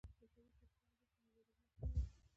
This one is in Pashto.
د تولید توکي هغه دي چې د مبادلې لپاره وي.